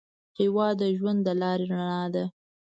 هېواد د ژوند د لارې رڼا ده.